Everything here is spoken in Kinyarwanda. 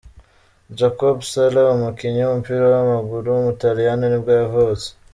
Jacopo Sala, umukinnyi w’umupira w’amaguru w’umutaliyani nibwo yavutse.